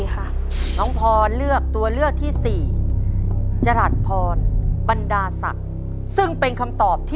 หนุ่มหนุ่มหนุ่มหนุ่มหนุ่ม